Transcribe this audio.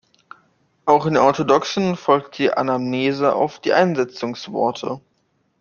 Auch in der orthodoxen folgt die Anamnese auf die Einsetzungsworte.